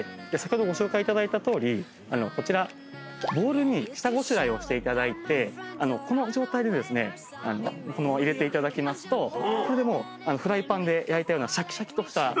先ほどご紹介いただいたとおりこちらボウルに下ごしらえをしていただいてこの状態でですね入れていただきますとこれでもうフライパンで焼いたようなシャキシャキとした。